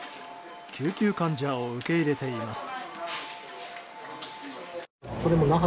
救急患者を受け入れています。